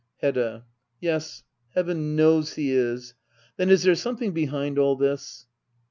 Hedda. Yes, heaven knows he is. Then is there some thing behind all this